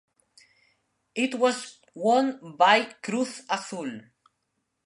It was won by Cruz Azul.